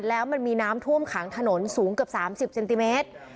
แล้วมันมีน้ำท่วมขังถนนสูงเกือบ๓๐เซนติเมตร